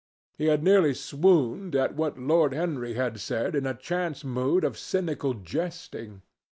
He had nearly swooned at what Lord Henry had said in a chance mood of cynical jesting.